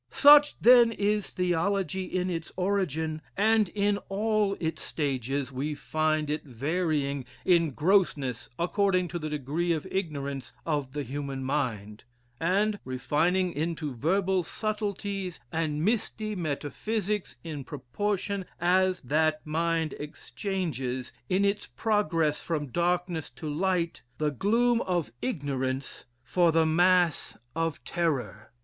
Such, then, is theology in its origin; and, in all its stages, we find it varying in grossness according to the degree of ignorance of the human mind; and, refining into verbal subtleties and misty metaphysics in proportion as that mind exchanges, in its progress from darkness to light, the gloom of ignorance for the mass of terror."